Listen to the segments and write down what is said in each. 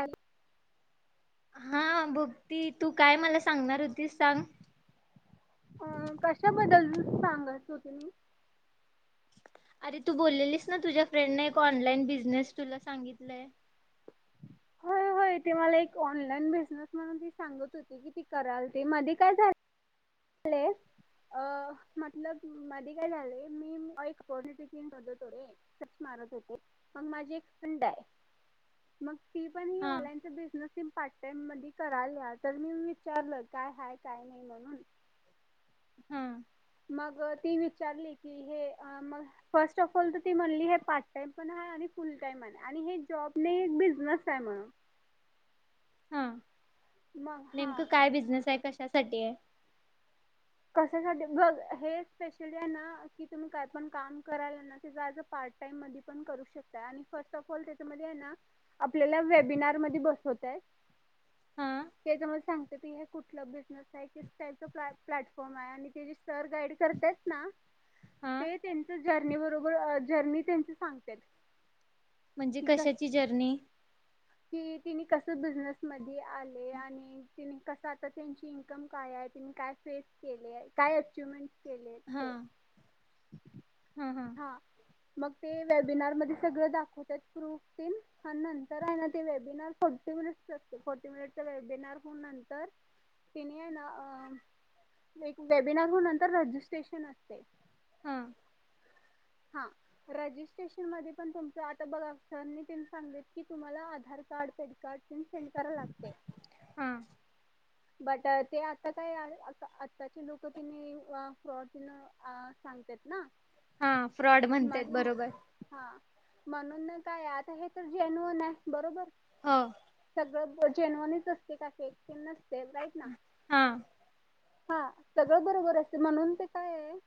Hello हा भक्ती तू काय मला सांगणार होतीस सांग. हेच सांगायच होते मी. अरे तू बोललेलीस ना तुझ्या फ्रेंडने एक ऑनलाइन बिझनेस तुला सांगितलंय. होय होय ते मला एक ऑनलाइन बिझनेस म्हणून ती सांगत होती कि ती कराल ते मध्ये काय झाल ले अ म्हटल मध्ये काय झाले मी टीम बघत होते. सर्च मारत होते. म माझी एक फ्रेंड आहे मग ती पण ही हा ऑनलाईनच बिझनस ती पार्ट टाइम मध्ये कराल्या तर मी विचारलं काय हय, काय नाही म्हणून हा मग ती विचारली की हे अ म फर्स्ट ऑफ ऑल तर ती म्हणली हे पार्ट टाइम पण आहे आणि फुल टाइम आहे आणि हे जॉब नाही एक बिझनेस आहे म्हणून हा मग हा नेमकं काय बिझनेस आहे कशा कशासाठी आहे? कशासाठी बघ हे स्पेशलीना तुंम्ही कायपण काम कराल ना ते पार्टटाइम मध्येपण करू शकताय आणि फस्टअपऑल त्याच्यामध्ये हे न आपल्याला वेबिनार मध्ये बसवतात हा त्याच्यामुळे सांगत हा कोणता बिझनेस आहे. आणि ते जे सर गाईड करतात ना हा ते त्यांच जर्नी बरोबर जर्नी त्यांच सांगतात. म्हणजे कशाची जर्नी? की ते नी कस बिझनेस मध्ये आले आणि कस तिने त्यांची इनकम काय आहे काय स्पेस केलय काय आचिवमेंट केले हा ते हा मग ते वेबिनार मध्ये सगळं दाखवतात प्रूफतेन आणि नंतर हाय ना वेबिनार फोर्टी मिनिट असते फोर्टी मिनिटचा वेबिनार होउन नंतर तिने ना एक वेबिनार म्हणुन रेजिस्ट्रेशन असतं. हा हा रजिस्ट्रेशन मध्ये पण तुमचा आता बघा सर नितिन सांगितलं आधार कार्ड पॅनकार्ड पण चेंज करायला लागते. हा बट ते आता काय आताचे लोक ति फ्रॉड सांगतात ना हा फ्रॉड म्हणतेत म्हणून बरोबर हा म्हणून ना काय आता हे तर जेन्युन आहे बरोबर हो सगळं जेन्यूनच असत [unintelligible] हा हा सगळं बरोबर असते म्हणून ते काय आहे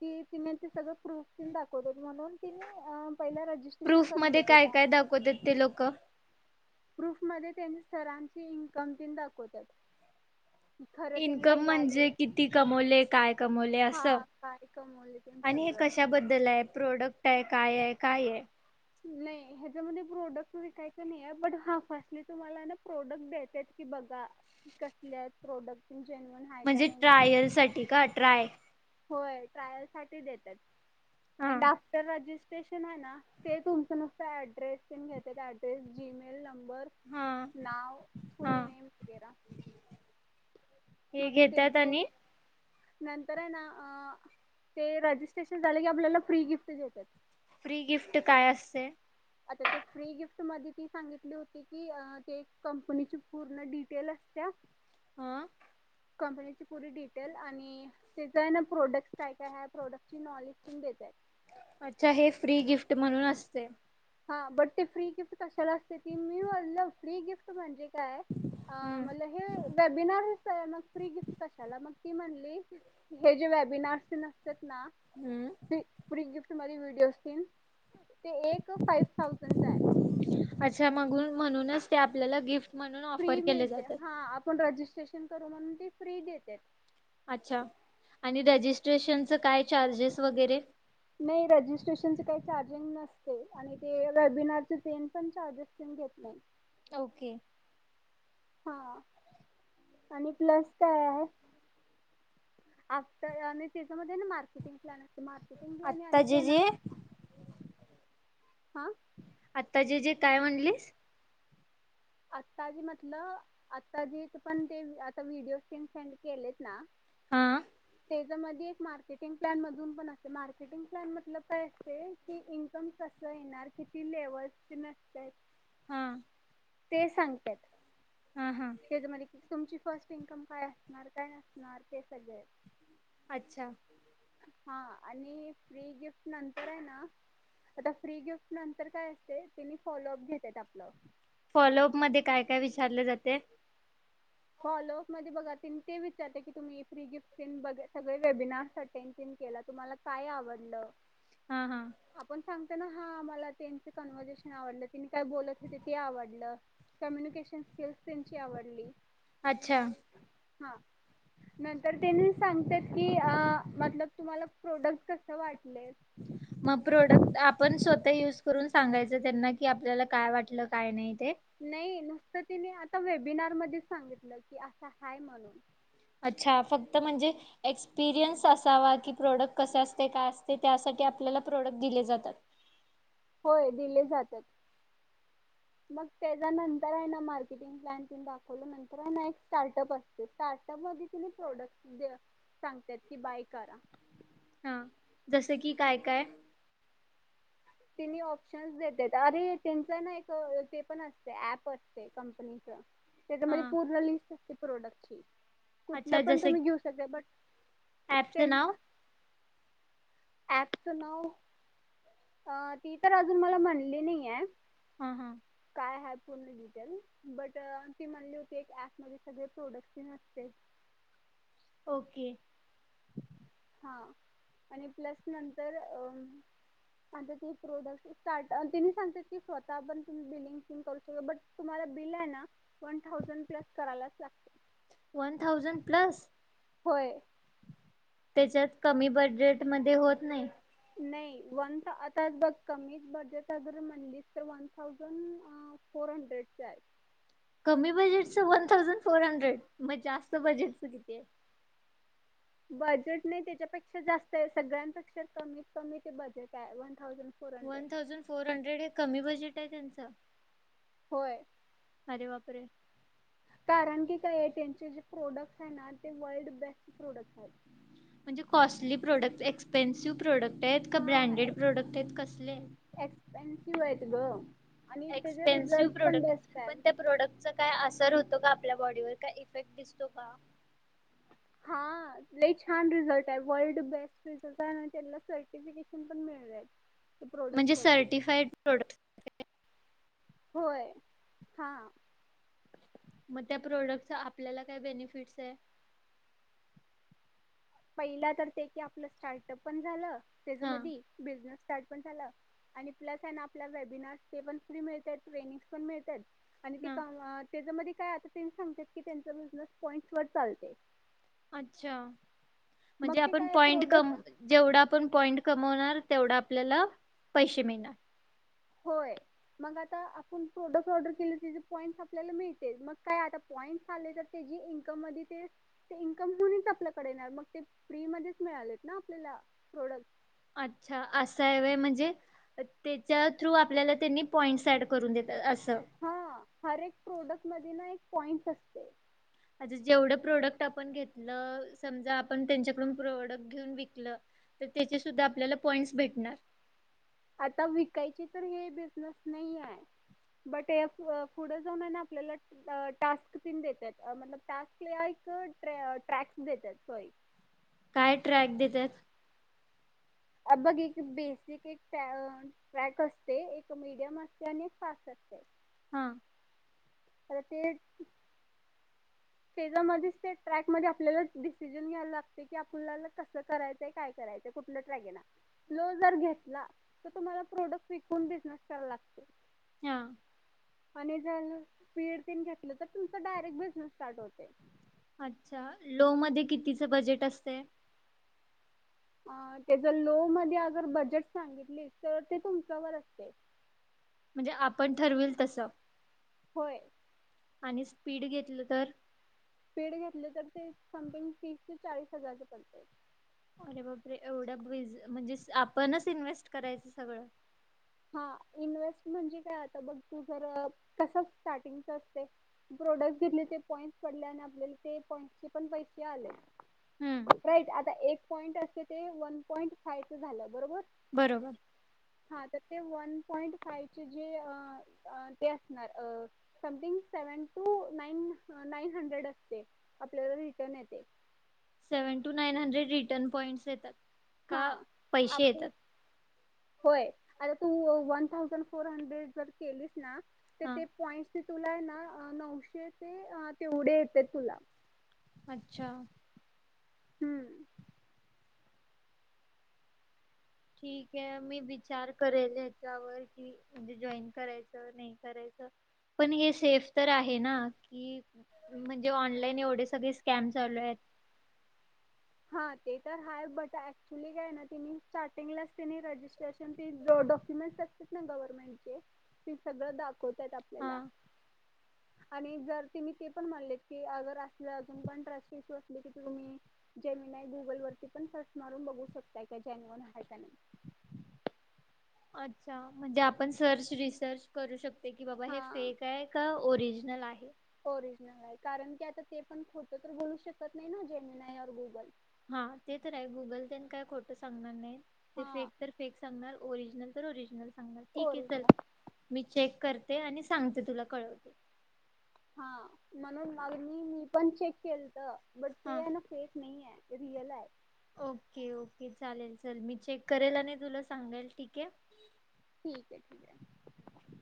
कि तिने ते सगळं प्रूफ तीन दाखवत होते. म्हणून तिने पहिला रजिस्ट्रेशन प्रूफ करून मध्ये घेते काय का? काय दाखवतात ते लोक? प्रूफ मध्ये त्यांनी सरांची इन्कम ते दाखवतात. खरं त्यांना इन्कम याले म्हणजे किती कमवले काय कमवले असं हा काय कमवले तेन आणि हे सगळं कशाबद्दल आहे? प्रोडक्ट आहे काय आहे काय आहे? नाही ह्याच्यामध्ये प्रोडक्ट विकायच नाही पण फर्स्ट लीतुम्हाला हा प्रोडक्ट द्यायचे की बघा कसले आहेत प्रॉडक्ट? म्हणजे ट्रायल साठी का ट्राय होय ट्रायल साठी देतात. हा एंड आफ्टर रजिस्टर स्टेशन आहे ना ते तुमचं नुसत ऍड्रेस घेतात ऍड्रेस जीमेल नंबर हा. नाव फुल हा नेम वगैरे हे घेतात आणि नंतर आहे ना ते रिस्ट्रेशन झाल की आपल्याला फ्री गिफ्ट देतात. फ्री गिफ्ट काय असते? आता ती फ्री गिफ्ट मध्ये सांगितली होती की कंपनी पूर्ण डिटेल असते. आ कंपनीची पुरी डिटेल आणि त्याचा आहे ना प्रोडक्ट् काय काय आहे प्रोडक्टची नॉलेज पण देतात. अच्छा हे फ्री गिफ्ट म्हणून असते. हा बट ते फ्री गिफ्ट कशाला असते ती मी फ्री गिफ्ट म्हणजे हम्म. म्हणलं हे वेबिनार मग फ्री गिफ्ट कशाला मग ती म्हणली हे जे वेबिनारस ना असत्यात ना हम्म ते फ्री गिफ्ट तुम्हारी व्हिडिओ असतील ते फाईव थाउजंड आहे. अच्छा मगून म्हणूनच ते आपल्याला गिफ्ट म्हणून ऑफर फ्री केले मिळते जातात. हा आपण रजिस्ट्रेशन आपण करू म्हणून ते फ्री देत्यात- अच्छा आणि रजिस्ट्रेशनच काय चार्जेस वगैरे- नाही रजिस्ट्रेशन काही चार्जिंग नसते आणि ते रेबिनार पण चार्जेस घेत नाही. ओके हा आणि प्लस काय आहे असतय आणि त्याच्यामधे न मार्केटिंग प्लान आहे. मार्केटिंग प्लान आता आणिक जे आहे जे ना हा आता जे जे काय म्हणलीस? आताजी म्हटल आताजी पण ते आता व्हिडिओ सेंड केलेत ना हा त्याच्यामध्ये एक मार्केटिंग प्लॅन मधून पण असते मार्केटिंग प्लॅन मधलं काय असतय की इन्कम कसं येणार किती लेवलच असतय. ह ते सांगत्यात हा हा तुमची फर्स्ट इन्कम काय असणार काय नसणार ते सगळे अच्छा हा आणि फ्री गिफ्ट नंतर आहे ना आता फ्री गिफ्ट नंतर काय असते तिने फॉलोअप घेतेत आपलं फॉलोअप मध्ये काय काय विचारले जाते? फॉलोअप मध्ये बघा त्यानी ते विचारय की तुम्ही फ्रीगिफ्ट तेन बघ सगळ वेबिनार्स अटेंड तेन केला तुम्हाला काय आवडलं. हा हा सांगताना हा मला त्यांच कन्वर्झेशन आवडल त्यांनी काय बोलत होते ते आवडलं कम्युनिकेशन स्किल्स त्यांची आवडली. अच्छा ह नंतर त्यांनी सांगत्यात की आ मतलब तुम्हाला प्रोडक्ट कस वाट मग प्रोडक्ट आप पण स्वतः युज करून सांगायचं त्यांना की आपल्याला काय वाटलं काय नाही ते. नाय नुसत तिने आता वेबिनार मध्येच सांगितलं की अस हाय म्हणून अच्छा फक्त म्हणजे एक्सपिरियन्स असावा की प्रोडक्ट कस असतय काय असतय त्यासाठी आपल्याला प्रोडक्ट दिले जातात. होय दिले जात्यात मग त्याच्या नंतर आहे ना मार्केटिंग प्लान तेन दाखवल्या नंतर ना एक स्टार्टअप असतय स्टार्टअप मध्ये त्यांनी प्रोडट सांगत्यात कि बाय करा. हा जसं की काय काय? तिनी ऑप्शनस देत्यात अरे त्यांच ना एक ते पण असतय ऍप असतय कंपनीच त्याच्यामध्ये हा पूर्ण लिस्ट असते प्रोडक्ट ठीक कुठलं अच्छा पण जसं तुम्ही घेऊ शकताय बट ॲपचं तेन नाव ॲप च नाव अ ती तर अजून मला म्हणली नाहीये हा हा हाय हाय पूर्ण डिटेल बट ती म्हणली होती एक ऍप मध्ये सगळे प्रोडक्टस तेन असत्यात ओके ह आणि प्लस नंतर अ आता तुम्ही प्रोडक्ट स्टार्ट तेनी सांगत्यात की स्वतःपन तुम्ही बिलिंग तेन करू शकता बट तुम्हाला बिल आहे ना वन थाउजंड प्लस करायलाच लागतय वन थाउजंड प्लस होय त्याच्यात कमी बजेट मधे होत नाही नाही वन आताच बघ कमी बजेट अगर म्हणली तर वन थाउजंड फोर हंड्रेडच आहे कमी बजेटच वन थाउजंड फोर हंड्रेड मग जास्त बजेटच किती आहे बजेट नाही त्याच्यापेक्षा जास्त आहे सगळ्यापेक्षा कमीत कमी ते बजेट आहे one thousand four hundred one thousand four hundred हे कमी बजेट आहे त्यांच होय [unintelligible] अरे बापरे? कारण की काय आहे त्यांचे जे प्रोडक्ट हाय ना ते वर्ल्ड बेस्ट प्रोडक्ट म्हणजे कॉस्टली प्रोडक्ट एक्स्पेन्सिव्ह प्रोडक्ट [unintelligible] का हा ब्रँडेड प्रोडक्ट आहेत कसले? एक्सपेन्सिव्ह [unintelligible] त्याचे एक्स्पेन्सिव्ह रिझल्ट पण प्रोडक्टंय बेस्ट आहे पण त्या प्रोडक्टचं काय असर होतो का आपल्या बॉडीवर? काय इफेक्ट दिसतो का? हां, लई छान रिझल्टंय वर्ल्ड बेस्ट [unintelligible] तेनला सर्टिफिकिशन पण मिळलंय. ते म्हणजे प्रोडक्ट वरती सर्टिफाईड प्रोडक्ट्स होय, हां मग त्या प्रोडक्टचा आपल्याला काय बेनिफिट्सय? पहिला तर ते की आपलं स्टार्टअप पण झालं हा त्येजमधी बिझनस स्टार्ट पण झालं आणि प्लस आय ना आपला वेबिनार ते पण फ्री मिळतेत ट्रेनिंग्स पण मिळतेत आणि ती हा कमवत त्येजं मधी काय आता? त्येनी सांगतेत की त्यांचा बिझनस पॉईंट्सवर चालतंय अच्छा म्हणजे ते आपण काय पॉईंट प्रोडक्ट कम जेवढं आपण पॉईंट कमवणार तेवढा आपल्याला पैसे मिळणार. होय, मग आता आपुण प्रोडक्ट ऑर्डर किली तिजं पॉईंट्स आपल्याला मिळतेत मग काय आता पॉईंट्स आले तर त्येजी इन्कम मधी ते ते इन्कम दुन्हीच आपल्याकडे येणार मग ते फ्रीमध्येच मिळालेत ना आपल्याला प्रोडक्ट्स अच्छा असय व्हय म्हणजे तेच्या थ्रू आपल्याला त्यांनी पॉइंट्स ऍड करून देतात अस हा हर एक प्रोडक्ट मध्ये ना एक पॉइंट असते आच्छा जेवढं प्रोडक्ट आपण घेतलं समजा आपण त्यांच्याकडून प्रोडक्ट घेऊन विकल तर त्याचे सुद्धा आपल्याला पॉइंट्स भेटणार आता विकायची तर हे बिजनेस नाही आहे बट हे पुढ जाऊन आपल्याला टास्क तेन देतात मतलब टाक्स लिहायचं ट्रॅक देतात सॉरी काय ट्रॅक देत्यात अ बघ एक बेसिक एक ट्रॅक असते एक मिडियम असते आणि एक फास्ट असते हा आता ते [unintelligible] त्याच्या मधीच ट्रॅक मधी आपल्याला डिसिजन घ्यायला लागते कि आपल्या कस करायचं? काय करायच? कुठल ट्रॅक लो जर घेतला तर तुम्हाला प्रोडक्ट विकून बिजनेस करायला लागतोय. हा [unintelligible] आणि जर स्पीड तेन घेतलं तर तुमच डायरेक्ट बिजनेस स्टार्ट होतय अच्छा लो मध्ये कितीच बजेट असतय अ त्याच लो मध्ये अगर बजेट सांगितली तर ते तुमच्यावर असतय म्हणजे आपण ठरविल तस होय आणि स्पीड घेतलं तर, स्पीड घेतले तर ते समथिंग तीस ते चाळीस हजारच पडतय अरे बापरे! एवढं ब्रिज म्हणजे आपणच इन्व्हेस्ट करायचं सगळं हा इन्वेस्ट म्हणजे काय आता बघ तू जर कस स्टार्टिंगच असतय प्रोडक्ट घेतली ते पॉईंट्स पडले आणि ते आपल्याला पॉईंट्स चे पण पैसे आले हम्म राईट आता एक पॉईंट असते ते वन पॉईंट फायच झालं बरोबर बरोबर हा तर ते वन पॉईंट फाय चे जे अ अ ते असणार अं समथिंग सेवन टू नाइन अं नाइन हंड्रेड असते आपल्याला रिटर्न येते seven two nine hundred return points येतात हा का पैशे आपण येतातच? होय आता तू वन थावजन्ड फोर हंड्रेड जर केलेस ना ते हां ते पॉइंटस तुला ना आं नऊशे आं ते तेवढे येते तुला अच्छा! हम्म ठीकये मी विचार करेल ह्याच्यावर कि म्हणजे जॉईन करायच नाही करायच पण हे सेफ तर आहे ना कि म्हणजे ऑनलाईन एवढे सगळे स्कॅम चालू आहेत हा ते तर हाय बट ऍक्च्युली काय ना ति स्टार्टिंगलाच रजिस्ट्रेशन डॉक्युमेंटस असत्यात ना गव्हर्नमेंट चे ते सगळं दाखव आपल्याला हा आणि जर तेनी ते पण म्हणलेत की अगर असल अजून पण ट्रस्ट इशू असले की तुम्ही जेमिनाय गुगल वरती पण सर्च मारून बघू शकताय का ज्यानुअन हाय का नाय अच्छा म्हणजे आपण सर्च रिसर्च करू शक की बाबा हे हा फेक आहे का ओरिजनल आहे नाही कारण की आता ते पण खोटं तर बोलू शकत नाही ना जेमिनाय ऑर गुगल हा ते तर आहे गुगल तेन काय खोटं सांगणार नाहीत ते हा फेक तर फेक सांगणार ओरिज नंतर ओरिजनल सांगा ठीक आहे चल ओरिजनल मी चेक करते आणि सांगते तुला कळवते हा म्हणून मागे मी मी पण चेक केल त बट ते हा आहे ना फेक नईये रिअल हाय ओके ओके चालेल चल मी चेक करेल आणि तुला सांगेल ठीक हाय. ठीक हाय ठीक हाय